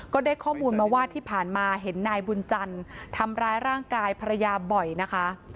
ก็ได้ข้อมูลมาว่าที่ผ่านมาเห็นนายบุญจันทร์ทำร้ายร่างกายภรรยาบ่อยนะคะ